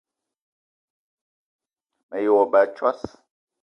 Me ye wo ba a tsos